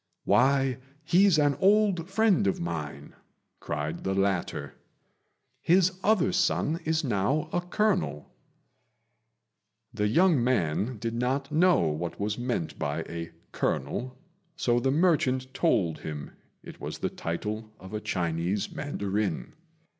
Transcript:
"Why, he's an old friend of mine," cried the latter; "his other son is now a colonel." The young man did not know what was meant by a colonel, so the merchant told him it was the title of a Chinese mandarin.